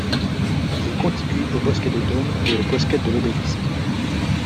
Il est contigu au bosquet des Dômes et au bosquet de l'Obélisque.